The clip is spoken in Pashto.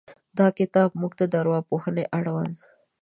دا کتاب موږ ته د ارواپوهنې اړوند